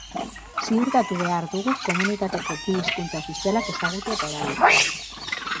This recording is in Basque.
Ziurtatu behar dugu komunitateko bi hizkuntza ofizialak ezagutu eta erabiltzea.